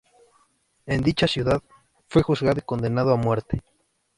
En dicha ciudad, fue juzgado y condenado a muerte.